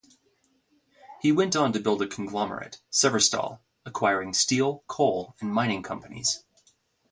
He went on to build a conglomerate, Severstal, acquiring steel, coal and mining companies.